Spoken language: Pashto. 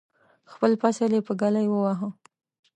خپل فصل یې په ږلۍ وواهه.